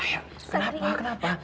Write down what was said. ayah kenapa kenapa